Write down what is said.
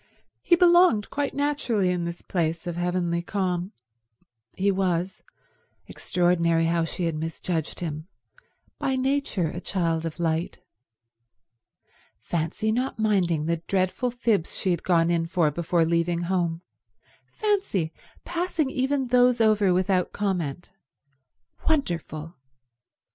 He belonged quite naturally in this place of heavenly calm. He was—extraordinary how she had misjudged him—by nature a child of light. Fancy not minding the dreadful fibs she had gone in for before leaving home; fancy passing even those over without comment. Wonderful.